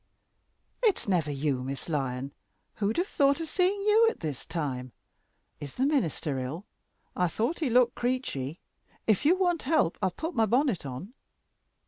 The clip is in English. "It's never you, Miss Lyon! who'd have thought of seeing you at this time? Is the minister ill? I thought he looked creechy. If you want help, I'll put my bonnet on."